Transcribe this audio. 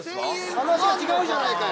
話が違うじゃないかよ！